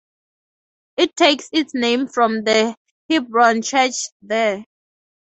It takes its name from the Hebron Church there.